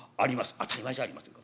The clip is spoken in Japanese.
「当たり前じゃありませんか。